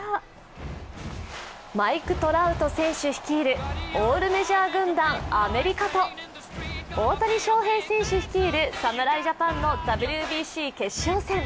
マイク・トラウト選手率いるオールメジャー軍団・アメリカと大谷翔平選手率いる侍ジャパンのＷＢＣ決勝戦。